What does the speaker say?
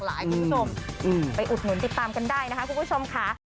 ให้คุณผู้ชมไปอุดหนุนติดตามกันได้นะคะคุณผู้ชมค่ะ